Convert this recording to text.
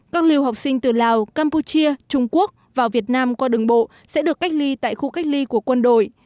các liều học sinh từ lào campuchia trung quốc vào việt nam qua đường bộ sẽ được cách ly tại khu cách ly của quân đội